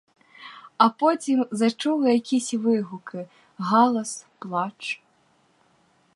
А потім зачула якісь вигуки, галас, плач.